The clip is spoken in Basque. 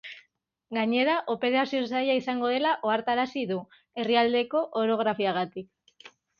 Gainera, operazioa zaila izango dela ohartarazi du, herrialdeko orografiagatik.